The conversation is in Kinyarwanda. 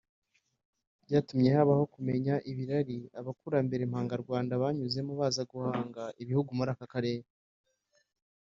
Byatumye habaho kumenya ibirari abakurambere mpangarwanda banyuzemo baza guhanga ibihugu muri aka karere